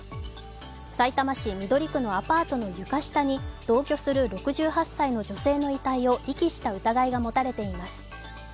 さいたま市緑区のアパートの床下に同居する６８歳の女性の遺体を遺棄した疑いが持たれています。